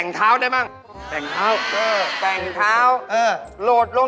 น้ำมันท่วม